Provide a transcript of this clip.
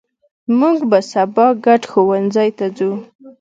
مونږ به سبا ګډ ښوونځي ته ځو